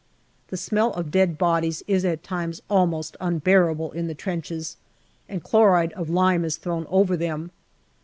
The smell of dead bodies is at times almost unbearable in the trenches, and chloride of lime is thrown over them.